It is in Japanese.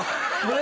「何？